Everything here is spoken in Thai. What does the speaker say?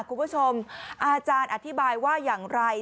คุณผู้ชมอาจารย์อธิบายว่าอย่างไร